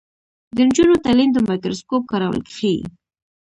د نجونو تعلیم د مایکروسکوپ کارول ښيي.